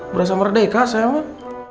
berasa merdeka saya mah